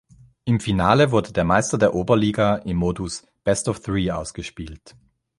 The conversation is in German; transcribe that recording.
Im Finale wurde der Meister der Oberliga im Modus Best-of-Three ausgespielt.